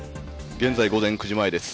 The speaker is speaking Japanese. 現在、午前９時前です。